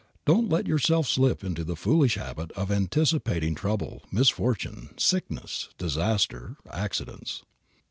Don't let yourself slip into the foolish habit of anticipating trouble, misfortune, sickness, disaster, accidents.